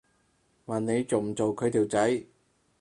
問你做唔做佢條仔